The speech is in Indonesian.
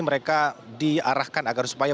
mereka diarahkan agar supaya